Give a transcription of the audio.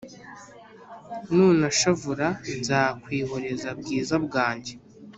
Nunashavura nzakwihoreza bwiza bwanjye